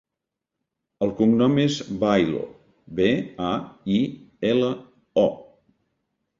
El cognom és Bailo: be, a, i, ela, o.